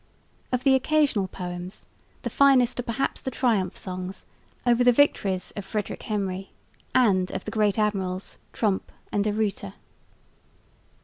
Of the occasional poems the finest are perhaps the triumph songs over the victories of Frederick Henry, and of the great admirals Tromp and De Ruyter.